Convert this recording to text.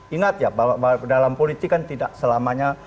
ingat ya bahwa dalam politik kan tidak selamanya